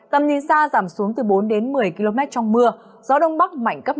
tầm nhìn xa giảm xuống từ bốn đến một mươi km trong mưa gió đông bắc mạnh cấp năm